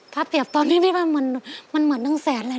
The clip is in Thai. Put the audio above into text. ถ้าเปรียบตอนนี้พี่ปั๊ดมันเหมือนหนึ่งแสนเลยนะ